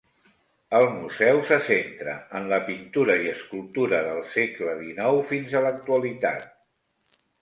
El museu se centra en la pintura i escultura del segle XIX fins a l'actualitat.